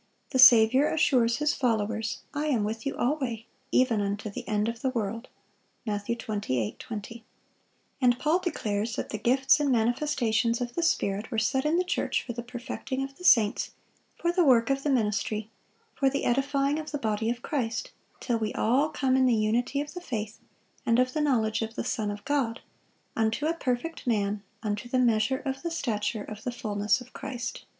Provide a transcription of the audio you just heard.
The Saviour assures His followers, "I am with you alway, even unto the end of the world." Matt. 28:20. And Paul declares that the gifts and manifestations of the Spirit were set in the church "for the perfecting of the saints, for the work of the ministry, for the edifying of the body of Christ: till we all come in the unity of the faith, and of the knowledge of the Son of God, unto a perfect man, unto the measure of the stature of the fulness of Christ."